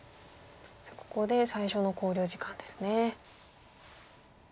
ここで最初の考慮時間ですね。